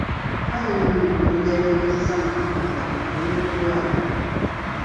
Ffaayo nnyo mu kuyonja byokozesa mu kufumba oleme kulwala.